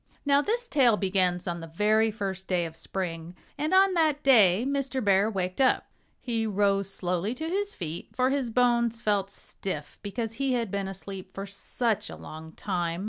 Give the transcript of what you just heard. Now, this tale begins on the very first day of spring. And on that day Mr. Bear waked up. He rose slowly to his feet, for his bones felt stiff because he had been asleep for such a long time.